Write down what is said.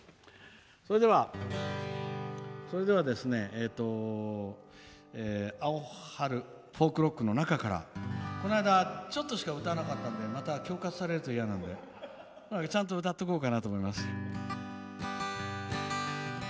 それでは「アオハル４９．６９」の中からこの間、ちょっとしか歌わなかったのでまた、恐喝されると嫌なのでちゃんと歌っとこうかなと思います。